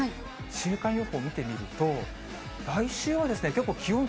週間予報見てみると、本当だ。